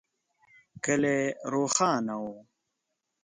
کلی روښانه و.